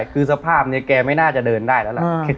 คือสภาพนี้แกไม่น่าจะเดินได้แล้วล่ะ